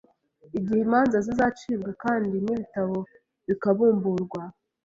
igihe imanza zizacibwa, kandi n’ibitabo bikabumburwa.